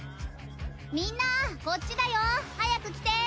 みんなこっちだよ！早く来て。